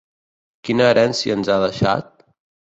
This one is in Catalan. Quina herència ens ha deixat?